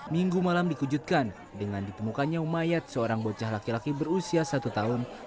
minggu malam dikujudkan dengan ditemukannya umayat seorang bocah laki laki berusia satu tahun